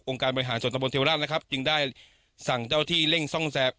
การบริหารส่วนตะบนเทวราชนะครับจึงได้สั่งเจ้าที่เร่งซ่องแสบ